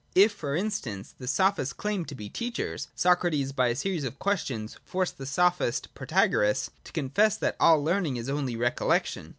If, for instance, the Sophists claimed to be teachers, Socrates by a series of questions forced the Sophist Protagoras to confess that all learning is only recollection.